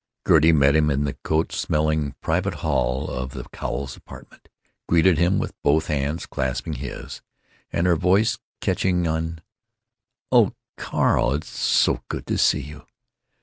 Gertie met him in the coat smelling private hall of the Cowles apartment, greeted him with both hands clasping his, and her voice catching in, "Oh, Carl, it's so good to see you!"